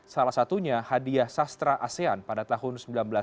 salah satunya hadiah sastra asean pada tahun seribu sembilan ratus sembilan puluh